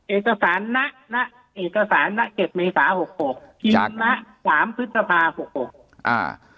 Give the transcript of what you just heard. เอกสารน่ะ๗เมษา๖๖พิมพ์น่ะ๓พฤตภา๖๖